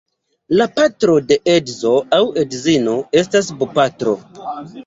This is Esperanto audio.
La patro de edzo aŭ edzino estas bopatro.